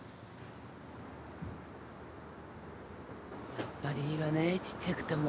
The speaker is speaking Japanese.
やっぱりいいわねちっちゃくても。